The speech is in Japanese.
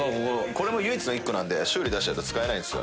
これも唯一の１個なんで修理出しちゃうと使えないんす。